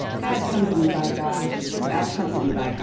bad company, by G , bad company, by G